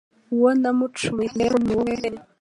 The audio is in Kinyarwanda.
Uwo nacumuyeho ni wowe wenyine